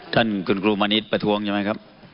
ท่านคุณครูมณิษฐ์ประท้วงใช่ไหมครับ